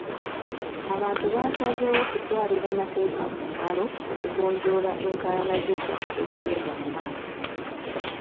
Abantu baasazeewo kutwalira mateeka mu ngalo okugonjoola enkaayana z'ettaka ezigenda mu maaso.